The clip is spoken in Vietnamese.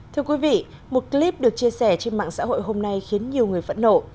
thưa quý vị một clip được chia sẻ trên mạng xã hội hôm nay khiến nhiều người phẫn nộ